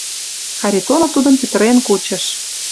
Харитонов тудым пӱтырен кучыш.